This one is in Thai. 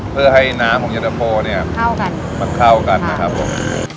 เพื่อให้น้ำของเย็นตะโฟเนี่ยเข้ากันมันเข้ากันนะครับผม